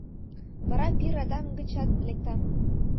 Вара пий радам гычат лектам».